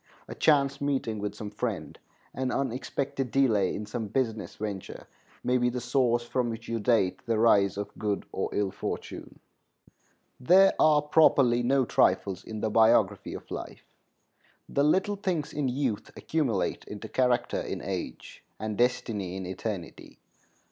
A chance meeting with some friend, an unexpected delay in some business venture, may be the source from which you date the rise of good or ill fortune. There are properly no trifles in the biography of life. The little things in youth accumulate into character in age and destiny in eternity.